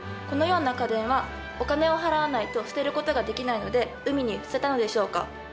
このような家電はお金を払わないと捨てることができないので海に捨てたのでしょうか？